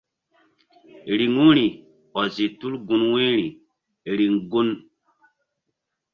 Riŋu ri ɔzi tul gun wu̧yri riŋ gun.